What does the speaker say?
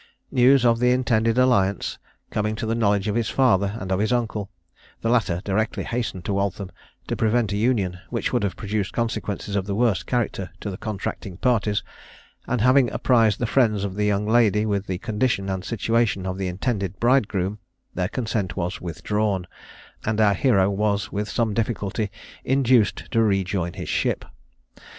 News of the intended alliance coming to the knowledge of his father and of his uncle, the latter directly hastened to Waltham, to prevent a union, which would have produced consequences of the worst character to the contracting parties, and having apprised the friends of the young lady with the condition and situation of the intended bridegroom, their consent was withdrawn, and our hero was with some difficulty induced to rejoin his ship.